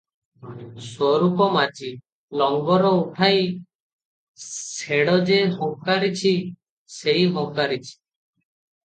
ସ୍ୱରୂପ ମାଝି- ଲଙ୍ଗର ଉଠାଇ ଶେଡ଼ ଯେ ହଙ୍କାରିଛି, ସେଇ ହଙ୍କାରିଛି ।